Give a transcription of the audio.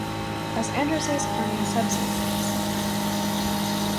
As "Androsace carnea" subsp.